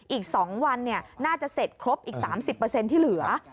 อีก๒วันน่าจะเสร็จครบอีก๓๐ที่เหลือ